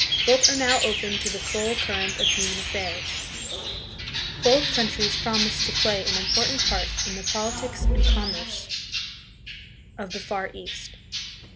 Both are now open to the full current of human affairs. Both countries promise to play an important part hi the politics and commerce of 9 10 THE PHILIPPINES. the Far East.